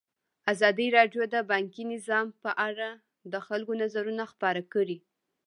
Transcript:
ازادي راډیو د بانکي نظام په اړه د خلکو نظرونه خپاره کړي.